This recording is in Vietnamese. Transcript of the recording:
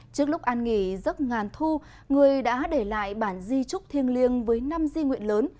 trước lúc an nghỉ giấc ngàn thu người đã để lại bản di trúc thiêng liêng với năm di nguyện lớn